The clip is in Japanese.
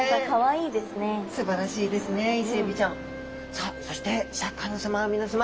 さあそしてシャーク香音さま皆さま。